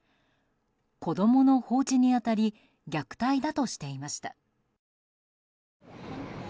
子供の放置に当たり虐待だとしていました。